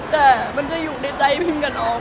แต่มันจะอยู่ในใจพิงกับน้อง